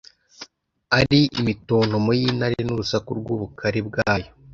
ari imitontomo y'intare, n'urusaku rw'ubukare bwayo